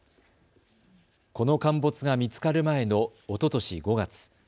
この陥没が見つかる前のおととし５月。